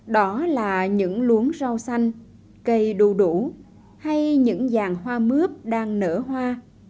đó là những luống rau xanh cây đu đủ hay những vàng hoa mướp đang nở hoa